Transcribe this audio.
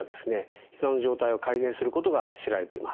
ひざの状態を改善することが知られています。